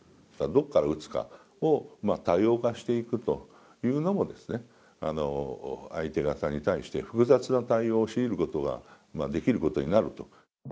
どこから撃つかを多様化していくというのも、相手方に対して複雑な対応を強いることができることになると。